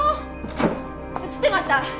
映ってました。